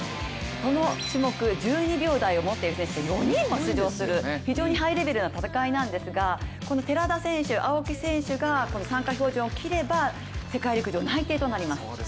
この種目、１２秒台の記録を持っている選手が４人も出場する非常にハイレベルな戦いなんですがこの寺田選手、青木選手がこの参加標準を切れば世界陸上内定となります。